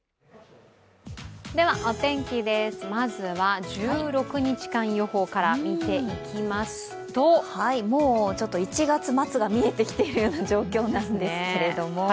ではお天気です、まずは１６日間予報から見ていきますともう１月末が見えてきている状況なんですけれども。